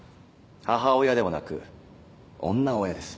母親ではなく女親です